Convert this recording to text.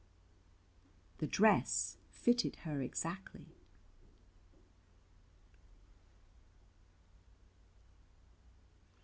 The dress fitted her exactly.